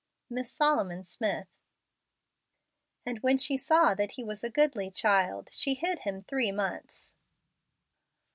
Mrs. Solomon Smith. " And when she saw that he was a goodly child she hid him three months."